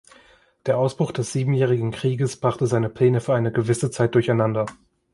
Der Ausbruch des Siebenjährigen Krieges brachte seine Pläne für eine gewisse Zeit durcheinander.